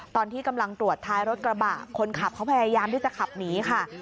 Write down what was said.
ตอนที่กำลังตรวจท้ายรถกระบะคนขับเขาพยายามที่จะขับหนีค่ะ